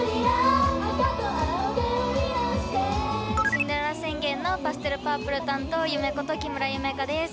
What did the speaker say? シンデレラ宣言！のパステルパープル担当ＹＵＭＥこと木村夢叶です。